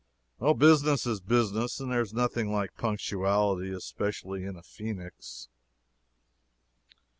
Business is business, and there is nothing like punctuality, especially in a phoenix.